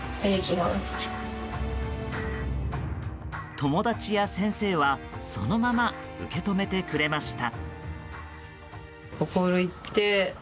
友達や先生はそのまま受け止めてくれました。